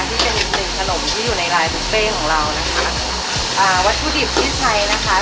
ที่เป็นอีกหนึ่งขนมที่อยู่ในลายบุฟเฟ่ของเรานะคะอ่าวัตถุดิบที่ใช้นะคะ